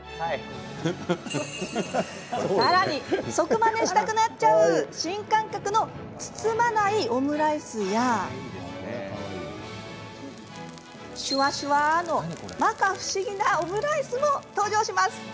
さらに、即まねしたくなっちゃう新感覚の包まないオムライスやしゅわしゅわのまか不思議なオムライスも登場。